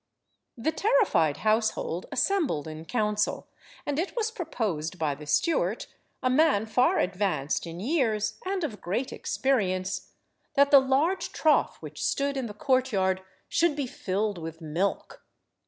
The terrified household assembled in council, and it was proposed by the stewart, a man far advanced in years and of great experience, that the large trough which stood in the courtyard should be filled with milk.